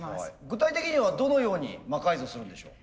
具体的にはどのように魔改造するんでしょう？